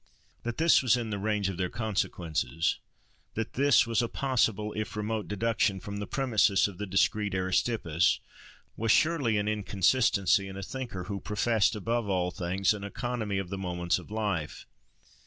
That this was in the range of their consequences—that this was a possible, if remote, deduction from the premisses of the discreet Aristippus—was surely an inconsistency in a thinker who professed above all things an economy of the moments of life.